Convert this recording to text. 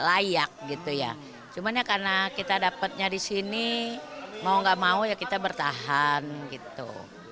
layak gitu ya cuman ya karena kita dapatnya di sini mau gak mau ya kita bertahan gitu